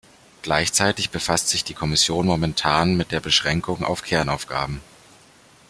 Gleichzeitig befasst sich die Kommission momentan mit der Beschränkung auf Kernaufgaben.